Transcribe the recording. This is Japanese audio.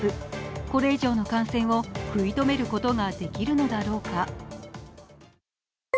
これ以上の感染を食い止めることができるのだろうか。